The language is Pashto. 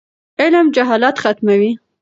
علم جهالت ختموي.